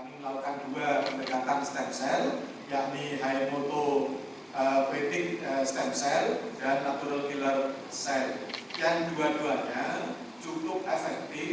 untuk bisa mengeliminasi merediksi dan mengelak